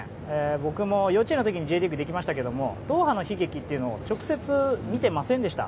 僕も幼稚園の時にＪリーグができましたけどドーハの悲劇を直接見ていませんでした。